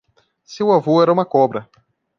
Seu avô era uma cobra.